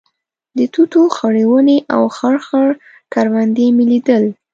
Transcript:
د توتو خړې ونې او خړ خړ کروندې مې لیدل.